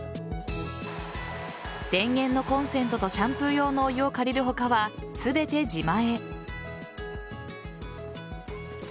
電源のコンセントとシャンプー用のお湯を借りる他は全て自前。